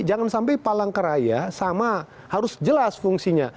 jangan sampai palang keraya sama harus jelas fungsinya